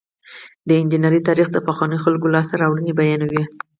د انجنیری تاریخ د پخوانیو خلکو لاسته راوړنې بیانوي.